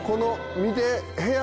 見て。